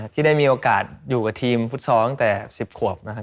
ที่ได้มีโอกาสอยู่กับทีมฟุตซอลตั้งแต่๑๐ขวบนะครับ